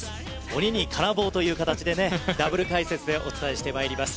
鬼に金棒という形でダブル解説でお伝えしてまいります。